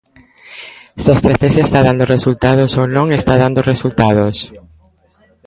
Se a estratexia está dando resultados ou non está dando resultados.